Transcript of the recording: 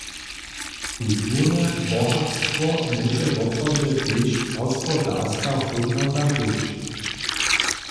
Kulturne bohatstwo móže woprawdźe tež hospodarska hódnota być.